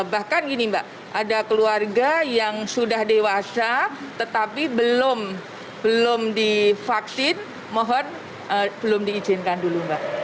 bahkan gini mbak ada keluarga yang sudah dewasa tetapi belum divaksin mohon belum diizinkan dulu mbak